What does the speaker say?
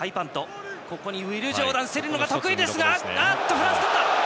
フランス、とった！